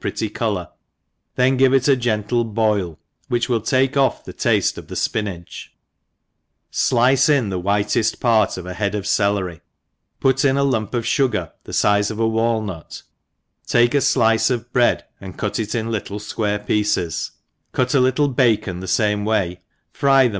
THE E5CPERI pretty colour, then give it a gentle boil, which will take gff the tafte of the fpinage^ flice in the whiteft p^rt of a head of celery, put in a lunxp of fugar the fize of a walnut, take a flice of br^ad and cut it in little itjuare pieces, cut a little b^pon ^he fame way, fry theqi.